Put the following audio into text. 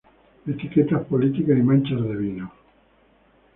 Etiquetas políticas y manchas de vino".